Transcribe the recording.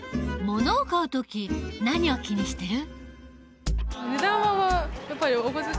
ものを買う時何を気にしてる？